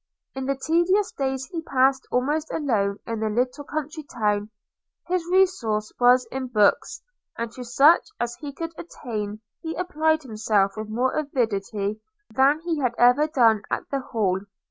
In the tedious days he passed almost alone in a little country town, his resource was in books, and to such as he could attain he applied himself with more avidity than he had ever done at the Hall.